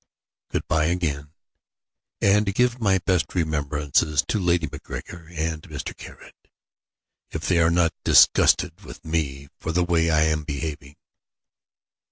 Good bye again, and give my best remembrances to Lady MacGregor and Mr. Caird, if they are not disgusted with me for the way I am behaving.